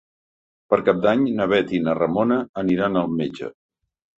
Per Cap d'Any na Bet i na Ramona aniran al metge.